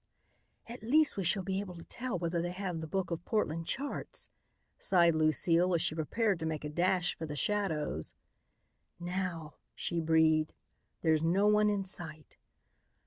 "At least we shall be able to tell whether they have the book of Portland charts," sighed Lucile as she prepared to make a dash for the shadows. "Now," she breathed; "there's no one in sight."